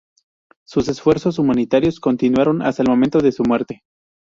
Sus esfuerzos humanitarios continuaron hasta el momento de su muerte.